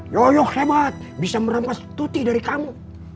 yoyok hebat bisa merampas tuti dari kamu